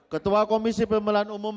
ketua komisi pemilihan umum